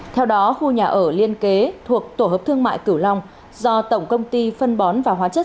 theo đó khu nhà ở liên kế thuộc tổ hợp thương mại cửu long do tổng công ty phân bón và hóa chất